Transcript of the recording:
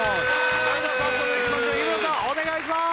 それでは早速いきましょう日村さんお願いします！